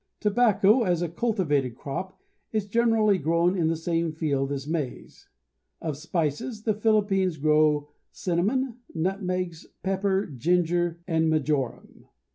Tobacco as a cultivated crop is generally grown in the same field as maize. Of spices the Philippines grow cinnamon, nutmegs, pepper, ginger, and majoram.